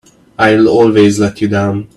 I'll always let you down!